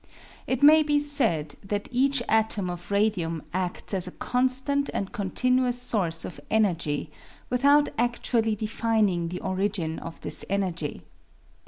It may be said that each atom of radium adls as a con stant and continuous source of energy, without adlually defining the origin of this energy.